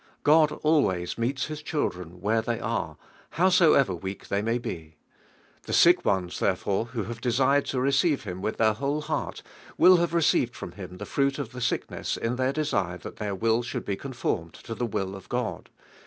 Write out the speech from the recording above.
God always meets Hi,s children where they are, howsoever weak they may be. The sick ones, therefore, who have desired to receive Him with their whole heart, will have received from Him the fruit of the sickness in their desire that their will should be conformed to the will of God.